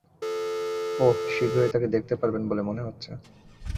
ওহ, শীঘ্রই তাকে দেখতে পারবেন বলে মনে হচ্ছে।